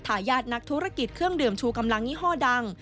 ทายาทนักธุรกิจเครื่องดื่มชูกำลังยี่ห้อดัง